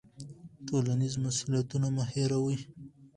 ټولنیز مسوولیت مه هیروئ.